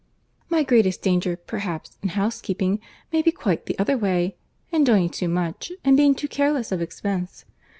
My greatest danger, perhaps, in housekeeping, may be quite the other way, in doing too much, and being too careless of expense.